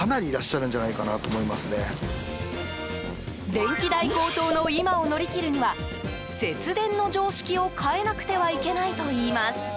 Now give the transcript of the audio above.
電気代高騰の今を乗り切るには節電の常識を変えなくてはいけないといいます。